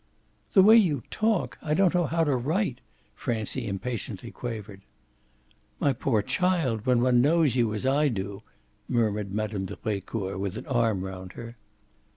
"The way you talk! I don't know how to write," Francie impatiently quavered. "My poor child, when one knows you as I do !" murmured Mme. de Brecourt with an arm round her.